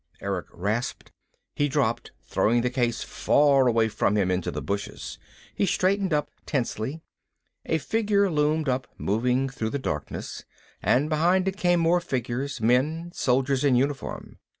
Erick rasped. He dropped, throwing the case far away from him, into the bushes. He straightened up tensely. A figure loomed up, moving through the darkness, and behind it came more figures, men, soldiers in uniform.